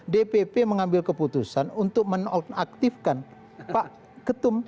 dpp mengambil keputusan untuk menonaktifkan pak ketum